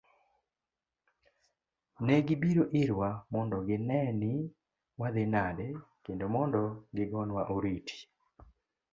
Ne gibiro irwa mondo ginee ni wadhi nade kendo mondo gigonwa oriti.